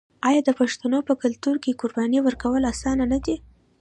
آیا د پښتنو په کلتور کې د قربانۍ ورکول اسانه نه دي؟